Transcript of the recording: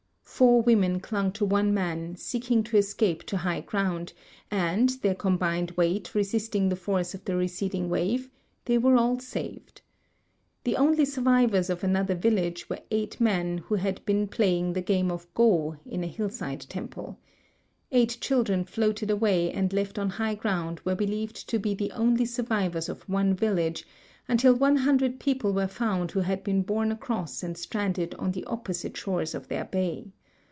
Four women clung to one man, seeking to escape to liigli ground, and their combined weight resisting the force of the receding wave tlie_y were all saved. Tlie only survivors of another village were eight men who had been 288 RECENT EARTHQUAKE WAVE ON COAST OF JAPAN j)laying the game of " go " in a hillside temple. Eight children floated away and left on high gi'ound were believed to be the only survivors of one village, until one hundred people were found who had been borne across and stranded on the opposite shores of their bay.